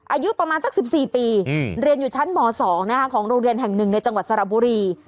อายุประมาณสัก๑๔ปีเรียนอยู่ชั้นม๒ของโรงเรียนแห่งหนึ่งในจังหวัดสระบุรี